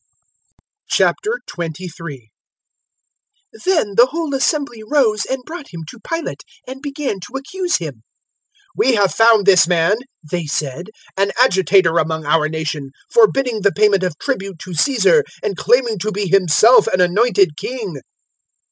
023:001 Then the whole assembly rose and brought Him to Pilate, and began to accuse Him. 023:002 "We have found this man," they said, "an agitator among our nation, forbidding the payment of tribute to Caesar, and claiming to be himself an anointed king."